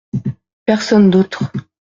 Personne d’autre.